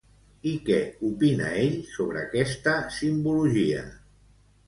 I què opina ell sobre aquesta simbologia?